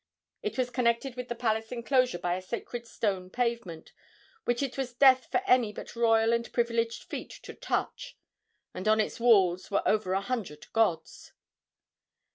It was connected with the palace enclosure by a sacred stone pavement, which it was death for any but royal and privileged feet to touch, and on its walls were over a hundred gods.